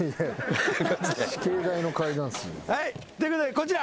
はいということでこちら。